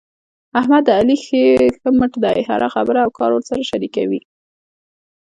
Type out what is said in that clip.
احمد د علي ښی مټ دی. هره خبره او کار ورسره شریکوي.